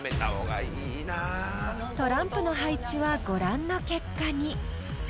［トランプの配置はご覧の結果に］